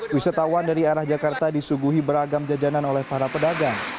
wisatawan dari arah jakarta disuguhi beragam jajanan oleh para pedagang